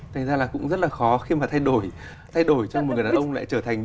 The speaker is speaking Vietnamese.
thành ra là cũng rất là khó khi mà thay đổi cho một người đàn ông lại trở thành